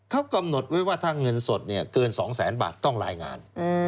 เขากำหนดไว้ว่าถ้าเงินสดเกิน๒แสนบาทต้องรายงาน